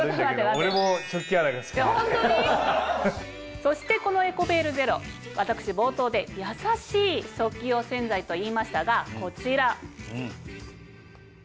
そしてこの「エコベールゼロ」私冒頭で「やさしい食器用洗剤」と言いましたがこちら。